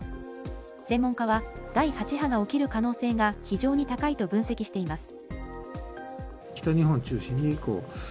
専門家は、第８波の起きる可能性が、非常に高いと分析しています。